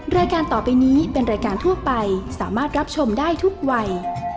รายการต่อไปนี้เป็นรายการทั่วไปสามารถรับชมได้ทุกวัย